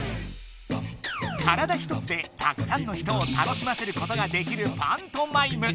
体ひとつでたくさんの人を楽しませることができるパントマイム。